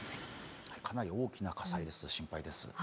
かなり大きな火災です、心配です。